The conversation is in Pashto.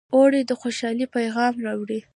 اوړه د خوشحالۍ پیغام راوړي